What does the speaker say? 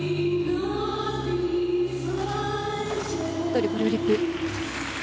トリプルフリップ。